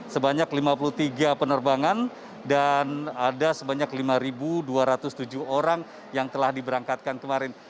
sebanyak lima puluh tiga penerbangan dan ada sebanyak lima dua ratus tujuh orang yang telah diberangkatkan kemarin